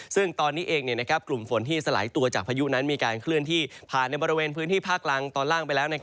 ซึ่งตอนนี้เองกลุ่มฝนที่สลายตัวจากพายุนั้นมีการเคลื่อนที่ผ่านในบริเวณพื้นที่ภาคกลางตอนล่างไปแล้ว